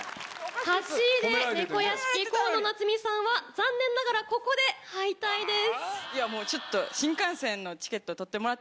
８位でねこ屋敷・河野菜摘さんは残念ながらここで敗退です。